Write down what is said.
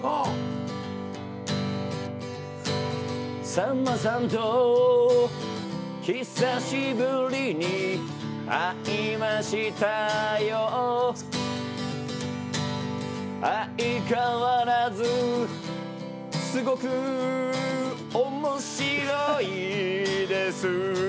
さんまさんと久しぶりに会いましたよ相変わらずすごく面白いです